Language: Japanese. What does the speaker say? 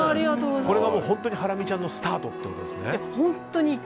これが本当にハラミちゃんのスタートってことですね。